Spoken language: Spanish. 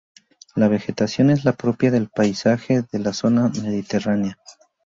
La vegetación es la propia del paisaje de la zona mediterránea.